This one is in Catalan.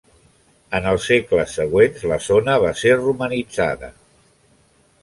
En els segles següents la zona va ser romanitzada.